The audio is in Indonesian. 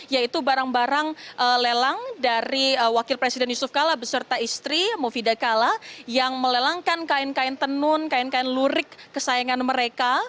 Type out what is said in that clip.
yaitu barang barang lelang dari wakil presiden yusuf kala beserta istri mufidah kala yang melelangkan kain kain tenun kain kain lurik kesayangan mereka